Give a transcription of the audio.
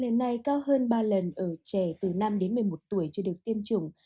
lần này cao hơn ba lần ở trẻ từ năm đến một mươi một tuổi chưa được tiêm chủng